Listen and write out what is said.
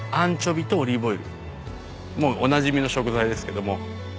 もうおなじみの食材ですけども。